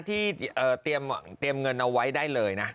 ที่เตรียมเงินเอาไว้ได้เลยนะ